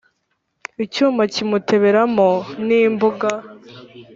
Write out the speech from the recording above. icyuma kimutebera mo n'imbuga